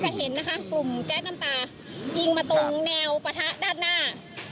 เห็นนะคะกลุ่มแก๊สน้ำตายิงมาตรงแนวปะทะด้านหน้า